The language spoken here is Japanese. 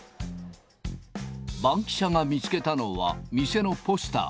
バンキシャが見つけたのは、店のポスター。